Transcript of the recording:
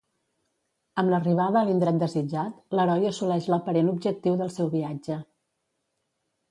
Amb l'arribada a l'indret desitjat, l'heroi assoleix l'aparent objectiu del seu viatge.